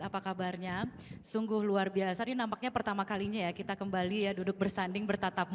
apa kabarnya sungguh luar biasa ini nampaknya pertama kalinya ya kita kembali ya duduk bersanding bertatap muka